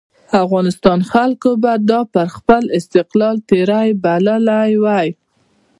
افغانستان خلکو به دا پر خپل استقلال تېری بللی وای.